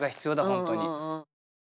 本当に。